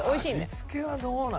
味付けはどうなの？